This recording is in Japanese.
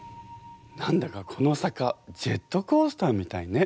何だかこの坂ジェットコースターみたいね。